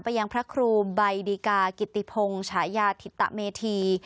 ไปยังพระครูบัยดิกากิติพงศ์ชายาธิตเตะเมธี